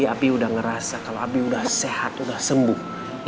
abi udah ngerasa kalau abi udah sehat udah sembuh